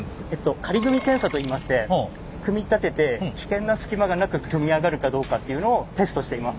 仮組み検査といいまして組み立てて危険な隙間がなく組み上がるかどうかっていうのをテストしています。